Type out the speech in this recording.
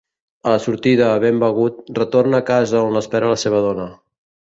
A la sortida, ben begut, retorna a casa on l’espera la seva dona.